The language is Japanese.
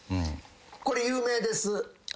これ有名です。